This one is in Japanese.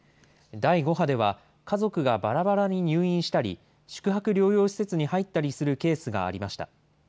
第５波では、家族がばらばらに入院したり、宿泊療養施設に入ったりするケースがありました。